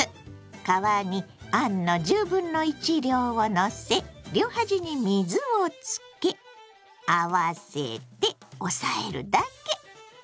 皮にあんの量をのせ両端に水をつけ合わせて押さえるだけ！